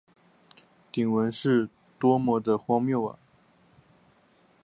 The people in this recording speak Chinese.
鼎文是多么地荒谬啊！